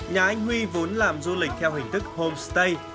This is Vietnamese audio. nhà anh huy vốn làm du lịch theo hình thức homestay